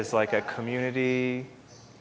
ini seperti komunitas